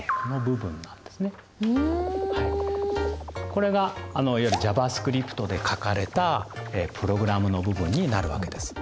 これがいわゆる「ＪａｖａＳｃｒｉｐｔ」で書かれたプログラムの部分になるわけです。